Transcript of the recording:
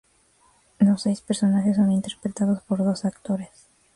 Los seis personajes son interpretados por dos actores.